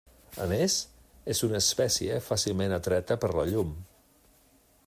A més, és una espècie fàcilment atreta per la llum.